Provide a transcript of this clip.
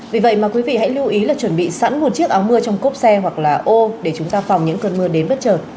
vì vậy mà quý vị hãy lưu ý là chuẩn bị sẵn một chiếc áo mưa trong cốp xe hoặc là ô để chúng ta phòng những cơn mưa đến bất chợt